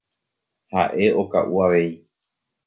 Ha'e oka'u avei.